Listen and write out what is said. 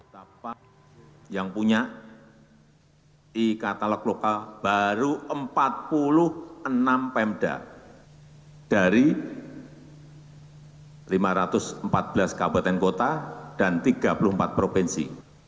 kapal yang punya e katalog lokal baru empat puluh enam pemda dari lima ratus empat belas kabupaten kota dan tiga puluh empat provinsi